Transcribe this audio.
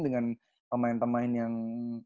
dengan pemain pemain yang